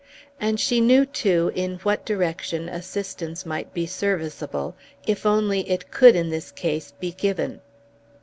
And she knew too in what direction assistance might be serviceable, if only it could in this case be given.